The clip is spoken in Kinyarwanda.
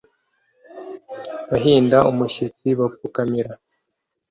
bahinda umushyitsi bapfukamira